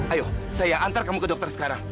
ayo saya antar kamu ke dokter sekarang